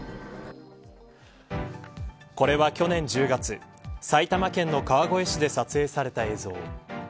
これは去年１０月埼玉県の川越市で撮影された映像。